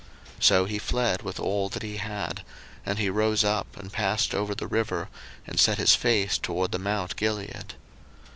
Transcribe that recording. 01:031:021 So he fled with all that he had; and he rose up, and passed over the river, and set his face toward the mount Gilead.